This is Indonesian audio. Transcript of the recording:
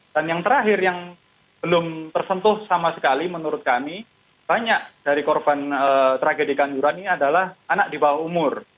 dan yang terakhir yang belum tersentuh sama sekali menurut kami banyak dari korban tragedi kanduran ini adalah anak di bawah umur